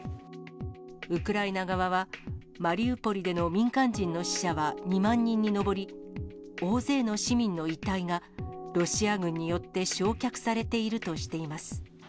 ウクライナ側は、マリウポリでの民間人の死者は２万人に上り、大勢の市民の遺体が、ロシア軍によって焼却されているとしています。